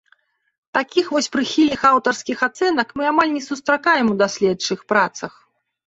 Такіх вось прыхільных аўтарскіх ацэнак мы амаль не сустракаем у даследчых працах.